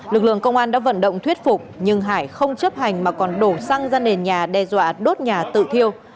lực lượng công an đã vận động thuyết phục nhưng hải không chấp hành mà còn đổ xăng ra nền nhà đe dọa đốt nhà tự thiêu